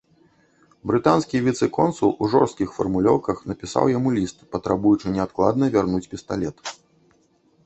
Брытанскі віцэ-консул у жорсткіх фармулёўках напісаў яму ліст, патрабуючы неадкладна вярнуць пісталет.